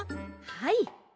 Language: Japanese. はい。